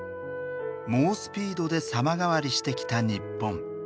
猛スピードで様変わりしてきた日本。